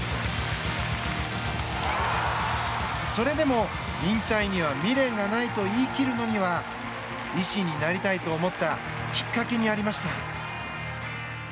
それでも引退には未練がないと言い切るのには医師になりたいと思ったきっかけにありました。